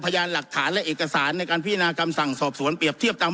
พยานหลักฐานและเอกสารในการพิจารณาคำสั่งสอบสวนเปรียบเทียบตาม